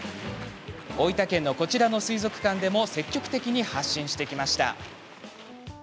大分県のこちらの水族館でも積極的に発信していました。